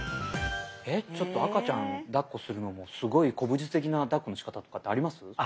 えっちょっと赤ちゃんだっこするのもすごい古武術的なだっこのしかたとかってあります？